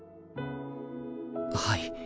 はい。